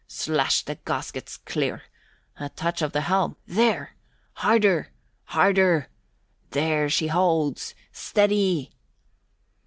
Slash the gaskets clear! A touch of the helm, there! Harder! Harder! There she holds! Steady!"